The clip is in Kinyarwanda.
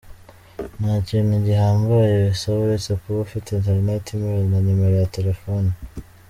Nta kintu gihambaye bisaba uretse kuba ufite internet, email na numero ya telefoni .